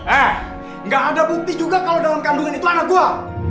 eh nggak ada bukti juga kalau dalam kandungan itu anak buah